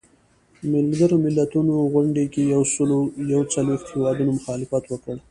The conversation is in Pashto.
ملګرو ملتونو غونډې کې یو سلو یو څلویښت هیوادونو مخالفت وکړ.